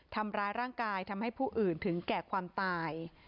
ทำร้ายร่างกายทำให้ผู้อื่นถึงแก่ความตาย